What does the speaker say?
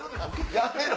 やめろ！